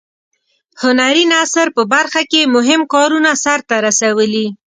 هنري نثر په برخه کې یې مهم کارونه سرته رسولي.